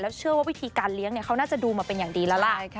เชื่อว่าวิธีการเลี้ยงเขาน่าจะดูมาเป็นอย่างดีแล้วล่ะ